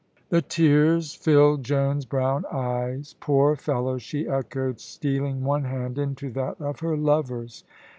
The tears filled Joan's brown eyes. "Poor fellow!" she echoed, stealing one hand into that of her lover's.